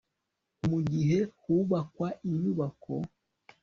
mu gihe hubakwa inyubako